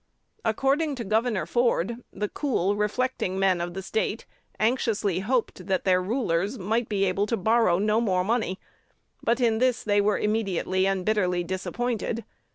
According to Gov. Ford, the cool, reflecting men of the State anxiously hoped that their rulers might be able to borrow no more money, but in this they were immediately and bitterly disappointed.